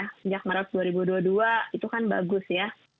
sejak maret dua ribu dua puluh dua itu kan bagus ya